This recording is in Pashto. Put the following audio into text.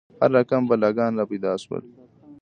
هر رقم بلاګان را پیدا شول.